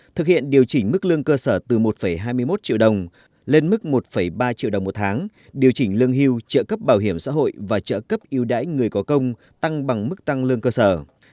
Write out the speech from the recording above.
thực hiện điều chỉnh mức lương cơ sở từ một hai mươi một triệu đồng lên mức một ba triệu đồng một tháng điều chỉnh lương hưu trợ cấp bảo hiểm xã hội và trợ cấp yêu đáy người có công tăng bằng mức tăng lương cơ sở